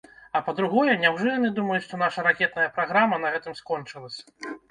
А па-другое, няўжо яны думаюць, што наша ракетная праграма на гэтым скончылася?